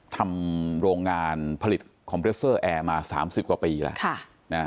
ทำโรงงานผลิตคอมเรสเซอร์แอร์มา๓๐กว่าปีแล้ว